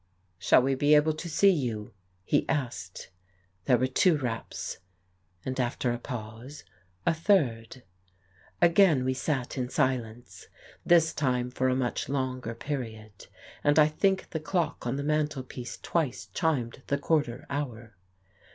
"Shall we be able to see you?" he asked. There were two raps, and, after a pause, a third. Again we sat in silence, this time for a much longer period, and I think the clock on the mantel piece twice chimed the quarter hour.